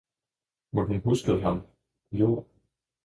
mon hun huskede ham? Jo!